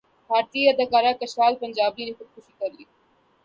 بھارتی اداکار کشال پنجابی نے خودکشی کرلی